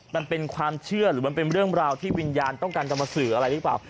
มันเป็นความเชื่อหรือมันเป็นเรื่องราวที่วิญญาณต้องการจะมาสื่ออะไรหรือเปล่า